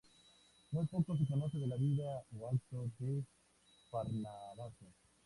Muy poco se conoce de la vida o actos de Farnabazo.